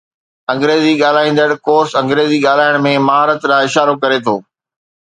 انگريزي ڳالهائيندڙ ڪورس انگريزي ڳالهائڻ ۾ مهارت ڏانهن اشارو ڪري ٿو